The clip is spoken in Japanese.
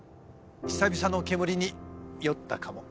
久々の煙に酔ったかも。